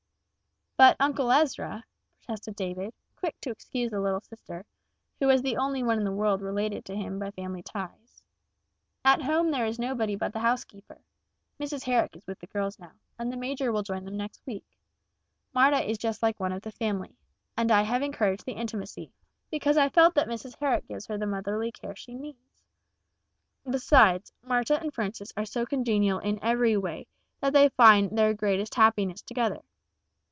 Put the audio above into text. "But, Uncle Ezra," protested David, quick to excuse the little sister, who was the only one in the world related to him by family ties, "at home there is nobody but the housekeeper. Mrs. Herrick is with the girls now, and the major will join them next week. Marta is just like one of the family, and I have encouraged the intimacy, because I felt that Mrs. Herrick gives her the motherly care she needs. Besides, Marta and Frances are so congenial in every way that they find their greatest happiness together.